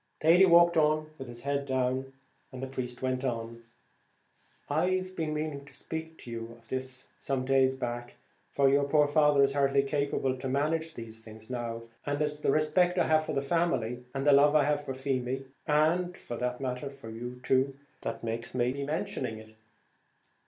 Thady walked on with his head down, and the priest went on. "I've been meaning to speak to you of this some days back, for your poor father is hardly capable to manage these things now; and it's the respect I have for the family, and the love I have for Feemy, and, for the matter of that, for you too, that makes me be mentioning it.